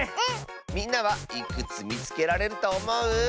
みんなはいくつみつけられるとおもう？